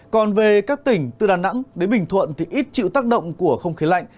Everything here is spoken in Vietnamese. còn về các tỉnh từ đà nẵng đến bình thuận thì ít chịu tác động của không khí lạnh